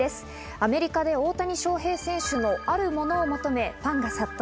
アメリカが大谷翔平選手のあるものを求め、ファンが殺到。